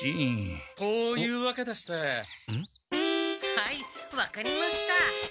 はい分かりました。